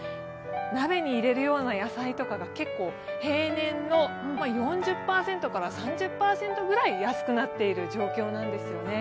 鍋に入れるような野菜とかが結構、平年の４０３０％ぐらい安くなっている状況なんですよね。